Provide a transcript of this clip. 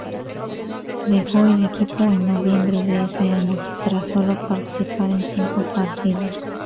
Dejó el equipo en noviembre de ese año tras solo participar en cinco partidos.